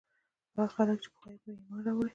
هغه خلک چې په غيبو ئې ايمان راوړی